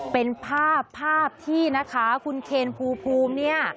เป็นภาพภาพที่นะคะคุณเคนภูมิเนี่ย